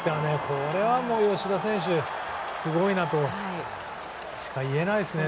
これは吉田選手がすごいなとしか言えないですね。